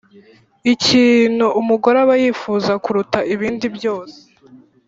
Ikintu umugore aba yifuza kuruta ibindi byose